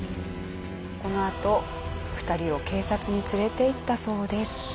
このあと２人を警察に連れていったそうです。